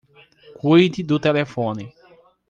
Cuide do telefone